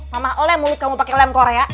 mama olem mulut kamu pakai lem korea